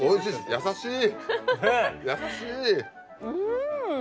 優しい。